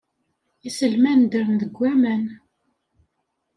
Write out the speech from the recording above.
Iselman ddren deg waman.